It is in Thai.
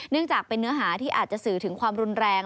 จากเป็นเนื้อหาที่อาจจะสื่อถึงความรุนแรง